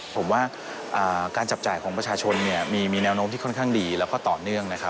ผมว่าการจับจ่ายของประชาชนมีแนวโน้มที่ค่อนข้างดีแล้วก็ต่อเนื่องนะครับ